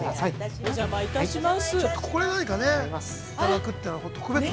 ◆お邪魔いたします。